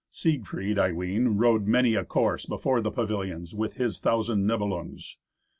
Siegfried, I ween, rode many a course before the pavilions with his thousand Nibelungs.